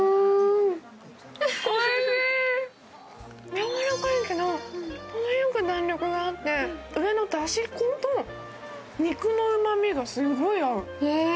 やわらかいけど、ほどよく弾力があって上のだし粉と肉のうまみがすごい合う。